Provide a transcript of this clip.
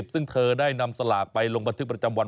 ซึ่งเธอได้นำสลากไปลงบันทึกประจำวัน